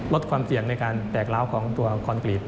ลดความเสี่ยงในการแตกร้าวของตัวคอนกรีต